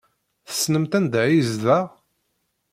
Tessnemt anda ay yezdeɣ?